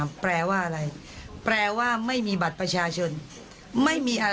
แม่ของแม่ชีอู๋ได้รู้ว่าแม่ของแม่ชีอู๋ได้รู้ว่า